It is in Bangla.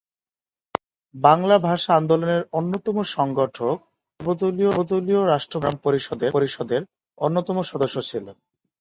বাংলা ভাষা আন্দোলনের অন্যতম সংগঠক ও সর্বদলীয় রাষ্ট্রভাষা সংগ্রাম পরিষদের অন্যতম সদস্য ছিলেন।